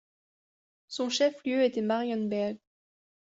Son chef lieu était Marienberg.